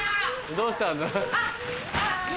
どうした？